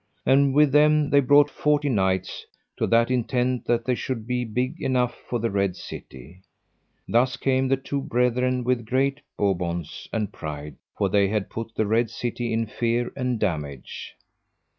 And with them they brought forty knights, to that intent that they should be big enough for the Red City. Thus came the two brethren with great bobaunce and pride, for they had put the Red City in fear and damage.